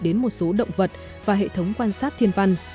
đến một số động vật và hệ thống quan sát thiên văn